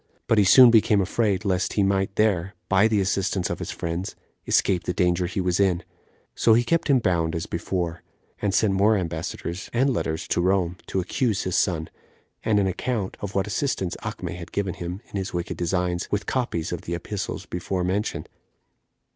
But he soon became afraid, lest he might there, by the assistance of his friends, escape the danger he was in; so he kept him bound as before, and sent more ambassadors and letters [to Rome] to accuse his son, and an account of what assistance Acme had given him in his wicked designs, with copies of the epistles before mentioned.